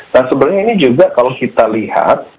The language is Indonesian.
nah sebenarnya ini juga kalau kita lihat